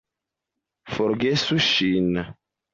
Forgesu ŝin!